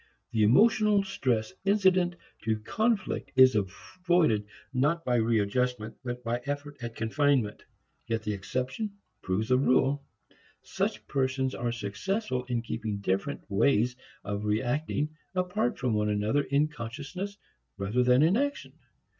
The emotional stress incident to conflict is avoided not by readjustment but by effort at confinement. Yet the exception proves the rule. Such persons are successful in keeping different ways of reacting apart from one another in consciousness rather than in action.